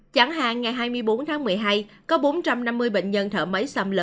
chẳng hạn ngày hai mươi bốn tháng một mươi hai có bốn trăm năm mươi bệnh nhân thở máy